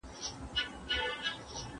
د فایل حجم کمول د جزئیاتو له منځه وړل دي.